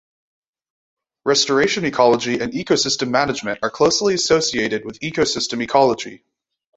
Restoration ecology and ecosystem management are closely associated with ecosystem ecology.